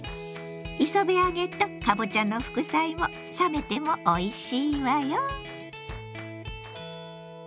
磯辺揚げとかぼちゃの副菜も冷めてもおいしいわよ！